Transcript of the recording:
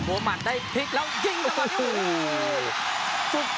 มัวหมัดได้พลิกแล้วยิงตรงนี้